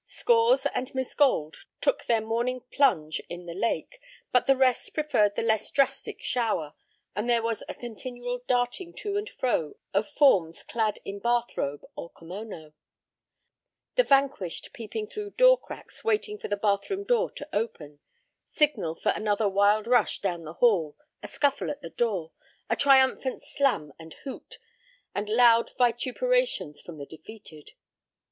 Scores and Miss Gold took their morning plunge in the lake, but the rest preferred the less drastic shower, and there was a continual darting to and fro of forms clad in bath robe or kimono; the vanquished peeping through door cracks waiting for the bathroom door to open signal for another wild rush down the hall, a scuffle at the door, a triumphant slam and hoot, and loud vituperations from the defeated.